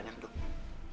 terima kasih banyak dok